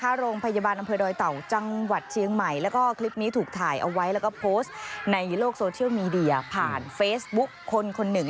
โรงพยาบาลอำเภอดอยเต่าจังหวัดเชียงใหม่แล้วก็คลิปนี้ถูกถ่ายเอาไว้แล้วก็โพสต์ในโลกโซเชียลมีเดียผ่านเฟซบุ๊คคนคนหนึ่ง